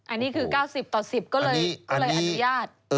อันนี้คือ๙๐ต่อ๑๐ก็เลยอนุญาต